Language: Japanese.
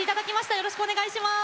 よろしくお願いします。